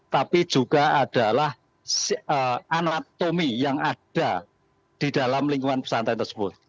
tapi juga adalah anatomi yang ada di dalam lingkungan pesantren tersebut